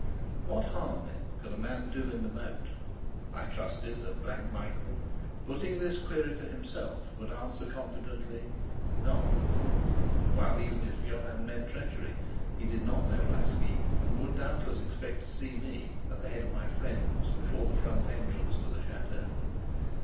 What harm, then, could a man do in the moat? I trusted that Black Michael, putting this query to himself, would answer confidently, "None;" while, even if Johann meant treachery, he did not know my scheme, and would doubtless expect to see me, at the head of my friends, before the front entrance to the chateau.